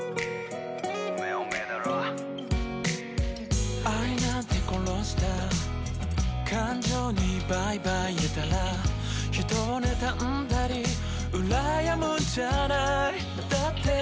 お前はお前だろＩなんて殺した感情にバイバイ言えたら人を妬んだり羨むんじゃないだって